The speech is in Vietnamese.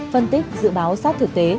phân tích dự báo sát thực tế